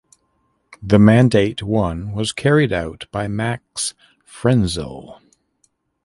The mandate won was carried out by Max Frenzel.